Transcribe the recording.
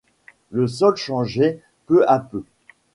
Le sol changeait peu à peu.